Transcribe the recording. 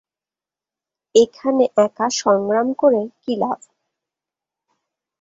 এখানে একা সংগ্রাম করে কী লাভ?